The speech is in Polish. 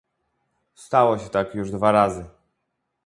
Stało się tak już dwa razy